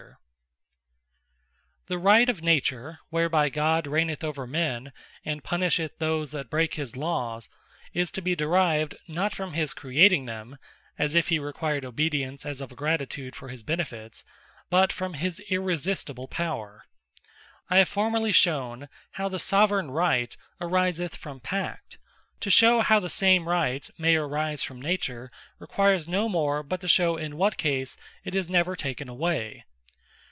The Right Of Gods Soveraignty Is Derived From His Omnipotence The Right of Nature, whereby God reigneth over men, and punisheth those that break his Lawes, is to be derived, not from his Creating them, as if he required obedience, as of Gratitude for his benefits; but from his Irresistible Power. I have formerly shewn, how the Soveraign Right ariseth from Pact: To shew how the same Right may arise from Nature, requires no more, but to shew in what case it is never taken away.